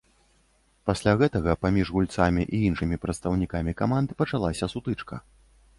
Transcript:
Пасля гэтага паміж гульцамі і іншымі прадстаўнікамі каманд пачалася сутычка.